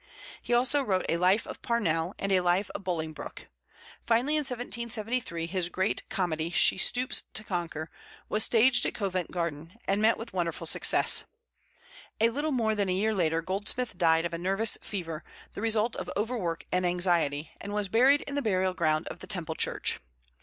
He also wrote a Life of Parnell and a Life of Bolingbroke. Finally, in 1773, his great comedy, She Stoops to Conquer, was staged at Covent Garden, and met with wonderful success. A little more than a year later Goldsmith died of a nervous fever, the result of overwork and anxiety, and was buried in the burial ground of the Temple Church.